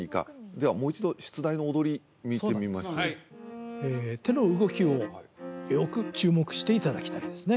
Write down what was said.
ではもう一度出題の踊り見てみましょう手の動きをよく注目していただきたいですね